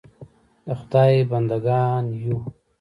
د خدای بنده ګان یو .